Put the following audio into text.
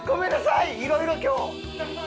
いろいろ今日。